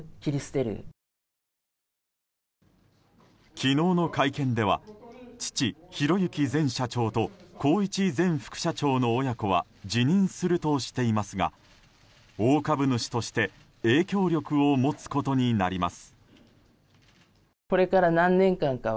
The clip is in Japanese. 昨日の会見では父・宏行前社長と宏一前副社長の親子は辞任するとしていますが大株主として影響力を持つことになります。